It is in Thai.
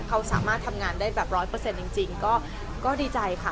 เขาสามารถทำงานได้แบบร้อยเปอร์เซ็นต์จริงก็ดีใจค่ะ